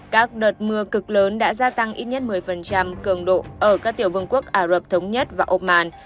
các đợt mưa cực lớn đã gia tăng ít nhất một mươi cường độ ở các tiểu vương quốc ả rập thống nhất và oman